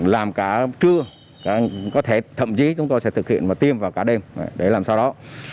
làm cả trưa có thể thậm chí chúng tôi sẽ thực hiện mà tiêm vào cả đêm để làm sao đó